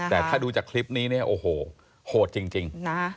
แต่ถ้าดูจากคลิปนี้เนี่ยโอ้โหโหดจริง